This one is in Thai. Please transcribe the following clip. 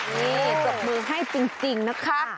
นี่ปรบมือให้จริงนะคะ